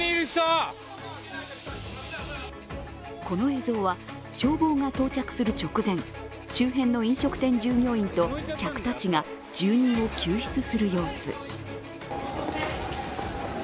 この映像は消防が到着する直前、周辺の飲食店従業員と客たちが住人を救出する様子。